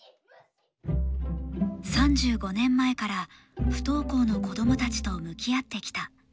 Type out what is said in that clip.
３５年前から不登校の子供たちと向き合ってきた。